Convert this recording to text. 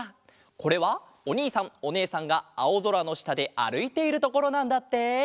これはおにいさんおねえさんがあおぞらのしたであるいているところなんだって。